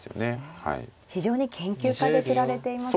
非常に研究家で知られていますね。